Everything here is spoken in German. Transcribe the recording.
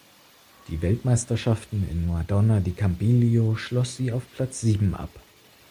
Die Weltmeisterschaften in Madonna di Campiglio schloss sie auf Platz sieben ab.